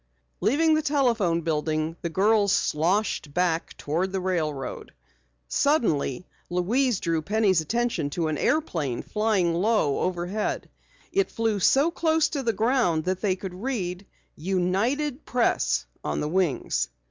Leaving the telephone building, the girls sloshed back toward the railroad. Suddenly Louise drew Penny's attention to an airplane flying low overhead. It flew so close to the ground that they could read "United Press," on the wings.